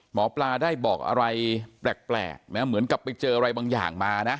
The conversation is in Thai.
หมอปลาได้บอกอะไรแปลกนะเหมือนกับไปเจออะไรบางอย่างมานะ